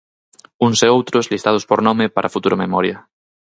Uns e outros listados por nome para futura memoria.